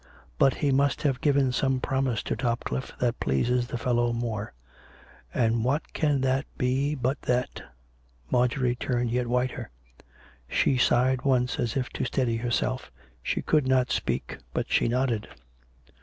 But he must have given some promise to Topcliffe that pleases the fellow more. And what can that be but that " Marjorie turned yet whiter. She sighed once as if to steady herself. She could not speak, but she nodded.